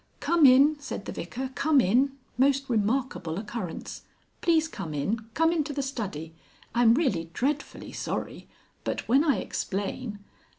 "Come in," said the Vicar; "come in. Most remarkable occurrence. Please come in. Come into the study. I'm really dreadfully sorry. But when I explain...."